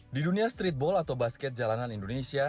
di dunia streetball atau basket jalanan indonesia